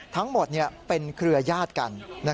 ทั้งหมดเป็นเครือยาศกัน